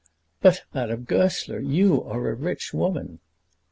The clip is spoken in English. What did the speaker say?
"But, Madame Goesler, you are a rich woman."